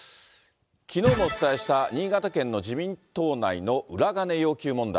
きのうもお伝えした新潟県の自民党内の裏金要求問題。